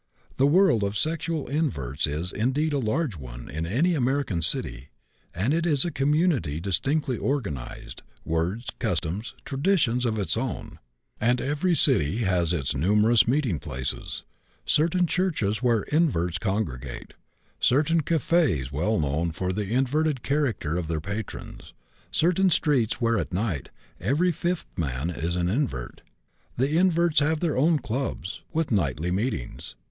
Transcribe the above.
"The world of sexual inverts is, indeed, a large one in any American city, and it is a community distinctly organized words, customs, traditions of its own; and every city has its numerous meeting places: certain churches where inverts congregate; certain cafés well known for the inverted character of their patrons; certain streets where, at night, every fifth man is an invert. The inverts have their own 'clubs,' with nightly meetings.